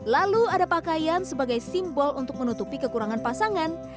lalu ada pakaian sebagai simbol untuk menutupi kekurangan pasangan